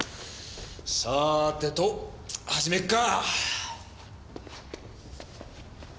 さてと始めっか！